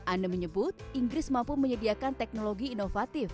anne menyebut inggris mampu menyediakan teknologi inovatif